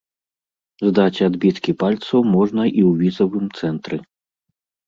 Здаць адбіткі пальцаў можна і ў візавым цэнтры.